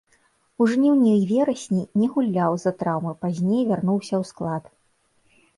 У жніўні і верасні не гуляў з-за траўмы, пазней вярнуўся ў склад.